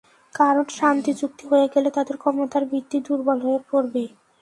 কারণ, শান্তি চুক্তি হয়ে গেলে তাদের ক্ষমতার ভিত্তি দুর্বল হয়ে পড়বে।